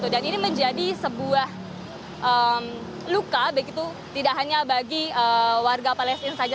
dan ini menjadi sebuah luka tidak hanya bagi warga palestina saja